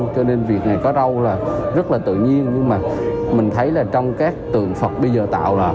cho nên việc này có rau là rất là tự nhiên nhưng mà mình thấy là trong các tượng phật bây giờ tạo là